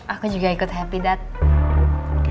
aku juga ikut happy dut